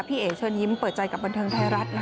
เอ๋เชิญยิ้มเปิดใจกับบันเทิงไทยรัฐ